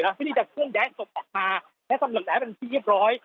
เพื่อที่จะควรแดดศพออกมาและสำหรับแดดเป็นที่เรียบร้อย